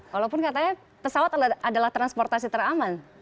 walaupun katanya pesawat adalah transportasi teraman